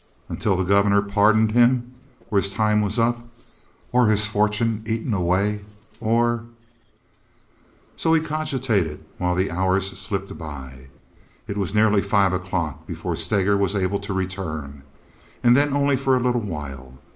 Until the Governor pardoned him or his time was up, or his fortune eaten away—or— So he cogitated while the hours slipped by. It was nearly five o'clock before Steger was able to return, and then only for a little while.